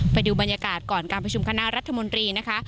ไปดูบรรยากาศก่อนการประชุมคณะรัฐมนตรีนะคะ